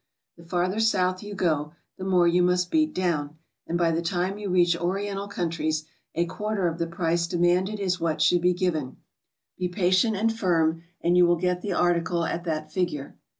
The farther South you go, the more you must beat down, and by the time you reach Oriental countries, a quarter of the price de manded is what should be given; be patient and firm, and you will get the article at that figure.